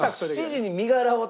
７時に身柄を。